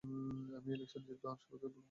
আমি এই ইলেকশন জিতব, আর সবাইকে ভুল প্রমাণ করবো।